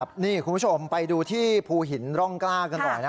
คุณผู้ชมไปดูที่ภูหินร่องกล้ากันหน่อยนะ